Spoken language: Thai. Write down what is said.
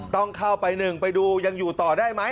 ต้องเข้าไปหนึ่งไปดูยังอยู่ต่อได้ไหม